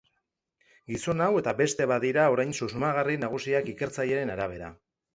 Gizon hau eta beste bat dira orain susmagarri nagusiak ikertzaileen arabera.